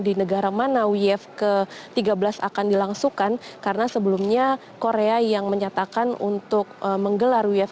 di negara mana uf ke tiga belas akan dilangsungkan karena sebelumnya korea yang menyatakan untuk menggelar uf